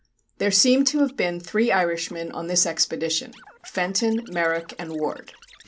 There seem to have been three Irishmen on this expedition, Fenton, Merrick, and Ward.